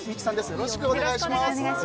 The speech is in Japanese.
よろしくお願いします。